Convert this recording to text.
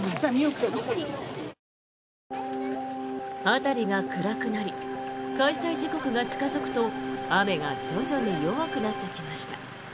辺りが暗くなり開催時刻が近付くと雨が徐々に弱くなってきました。